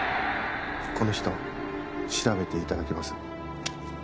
この人調べていただけます？